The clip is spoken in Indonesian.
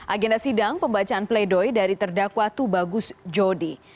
agenda sidang pembacaan pleidoy dari terdakwa tu bagus jody